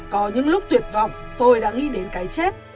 có những lúc tuyệt vọng tôi đã nghĩ đến cái chết